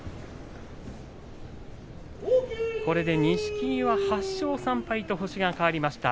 これで錦木は８勝３敗と星が変わりました。